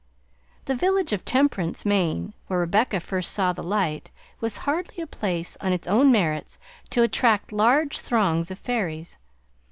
The village of Temperance, Maine, where Rebecca first saw the light, was hardly a place on its own merits to attract large throngs of fairies.